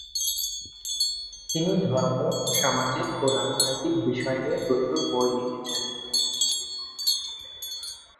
তিনি ধর্ম, সামাজিক ও রাজনৈতিক বিষয় নিয়ে প্রচুর বই লিখেছেন।